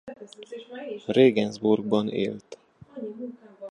Regensburgban élt.